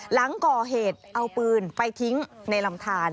หลังก่อเหตุเอาปืนไปทิ้งในลำทาน